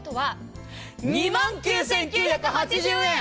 ２万９９８０円。